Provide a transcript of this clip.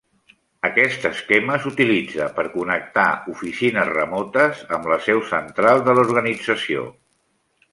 Aquest esquema s'utilitza per connectar oficines remotes amb la seu central de l'organització.